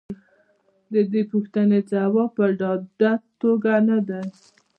د دې پوښتنې ځواب په ډاډه توګه نه دی.